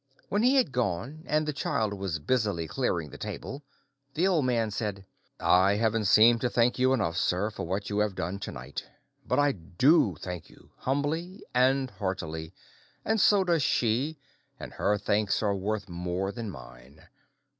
When he had gone, and the child was busily clearing the table, the old man said,— "I haven't seemed to thank you enough, sir, for what you have done to night, but I do thank you, humbly and heartily; and so does she, and her thanks are worth more than mine.